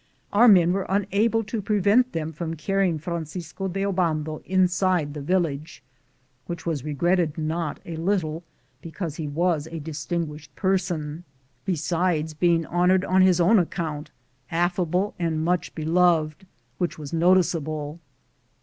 Our men were unable to pre vent them from carrying Francisco de Oban do inside the village, which was regretted not a little, because he was a distinguished person, besides being honored on his own account, affable and much beloved, which was noticeable.